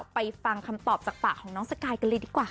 ไปฟังคำตอบจากปากของน้องสกายกันเลยดีกว่าค่ะ